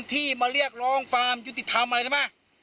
ที่มาเรียกร้องความยุติธรรมอะไรใช่ไหม